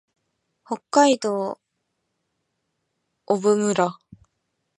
北海道雄武町